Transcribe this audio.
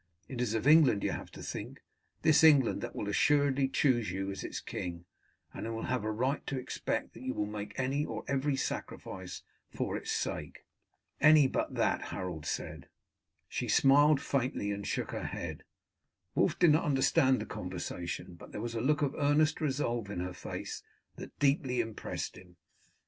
It is of England you have to think this England that will assuredly choose you as its king, and who will have a right to expect that you will make any or every sacrifice for its sake." "Any but that," Harold said. She smiled faintly and shook her head. Wulf did not understand the conversation, but there was a look of earnest resolve in her face that deeply impressed him.